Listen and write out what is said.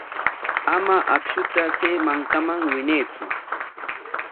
Ama akshuta chay mankaman winaytsu.